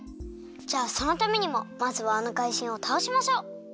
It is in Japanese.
じゃあそのためにもまずはあのかいじんをたおしましょう！